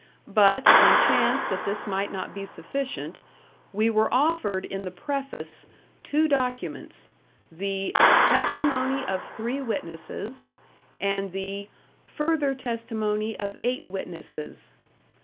But, on chance that this might not be sufficient, we were offered in the preface two documents, the "Testimony of Three Witnesses", and the "Further Testimony of Eight Witnesses".